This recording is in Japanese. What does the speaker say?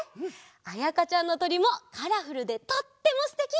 あやかちゃんのとりもカラフルでとってもすてき！